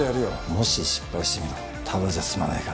もし失敗してみろただじゃ済まないからな。